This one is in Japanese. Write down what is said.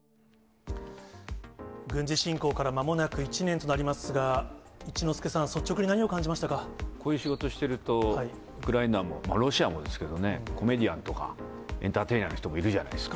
軍事侵攻からまもなく１年となりますが、一之輔さん、こういう仕事をしてると、ウクライナも、ロシアもですけどね、コメディアンとか、エンターテイナーの人もいるじゃないですか。